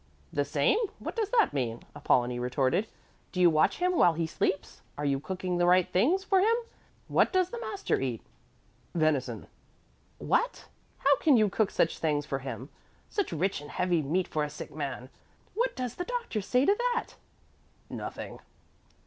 "The same; what does that mean?" Apollonie retorted. "Do you watch him while he sleeps? Are you cooking the right things for him? What does the master eat?" "Venison." "What? How can you cook such things for him? Such rich and heavy meat for a sick man! What does the doctor say to that?" "Nothing."